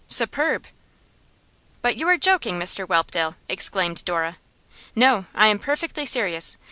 'Superb!' 'But you are joking, Mr Whelpdale!' exclaimed Dora. 'No, I am perfectly serious.